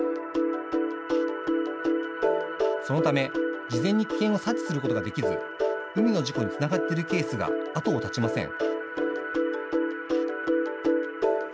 そのため、事前に危険を察知することができず海の事故につながっているケースが後を絶ちません。